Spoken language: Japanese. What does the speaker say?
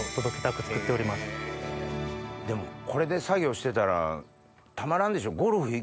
でもこれで作業してたらたまらんでしょ。